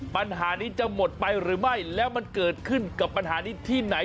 ปัญหานี้จะหมดไปหรือไม่แล้วมันเกิดขึ้นกับปัญหานี้ที่ไหน